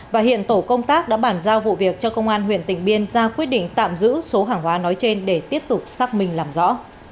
và hiện tổ công tác đã bản giao vụ việc cho công an huyện tỉnh biên ra quyết định tạm giữ số hàng hóa nói trên để tiếp tục xác minh làm rõ